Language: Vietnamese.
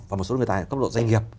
và một số người tài ở cấp độ doanh nghiệp